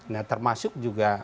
nah termasuk juga